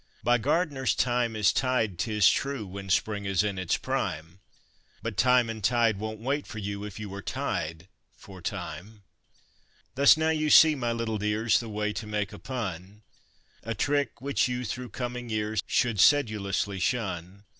By gardeners thyme is tied, 'tis true, when spring is in its prime; But time and tide won't wait for you if you are tied for time. Thus now you see, my little dears, the way to make a pun; A trick which you, through coming years, should sedulously shun.